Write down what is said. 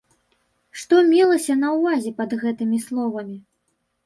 Што мелася на ўвазе пад гэтымі словамі?